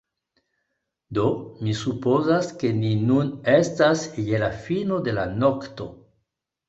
Do, mi supozas ke ni nun estas je la fino de la nokto.